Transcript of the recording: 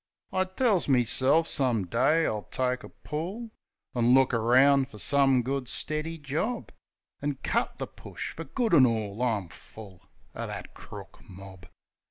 I tells meself some day I'll take a pull An' look eround fer some good, stiddy job. An' cut the push fer good an' all; I'm full Of that crook mob